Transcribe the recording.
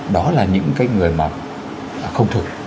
đó là những cái người mà không thực